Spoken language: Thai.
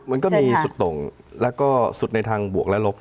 มันก็มีสุดตรงแล้วก็สุดในทางบวกและลบ